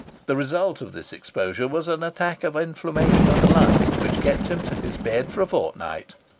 The result of this exposure was an attack of inflammation of the lungs, which kept him to his bed for a fortnight.